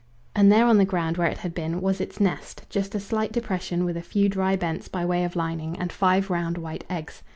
And there on the ground where it had been was its nest, just a slight depression with a few dry bents by way of lining and five round white eggs.